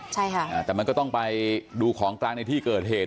ใช่ค่ะแต่มันก็ต้องไปดูของกลางในที่เกิดเหตุ